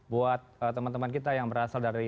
buat teman teman kita yang berasal dari